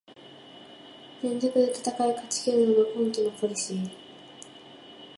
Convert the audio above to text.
全力で戦い勝ちきるのが今季のポリシー